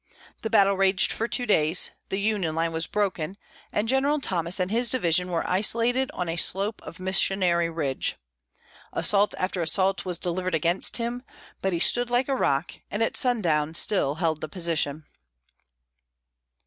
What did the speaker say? The battle raged for two days, the Union line was broken, and General Thomas and his division were isolated on a slope of Missionary Ridge. Assault after assault was delivered against him, but he stood like a rock, and at sundown still held the position.